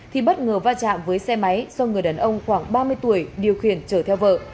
thì bất ngờ va chạm với xe máy do người đàn ông khoảng ba mươi tuổi điều khiển chở theo vợ